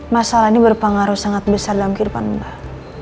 masalah ini berpengaruh sangat besar dalam kehidupan mbak